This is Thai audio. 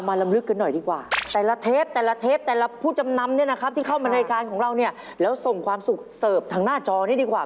ก็นั่นหน่อยสิเรามาลำลึกกันหน่อยดีกว่า